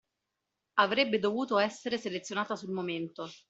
Avrebbe dovuto essere selezionata sul momento.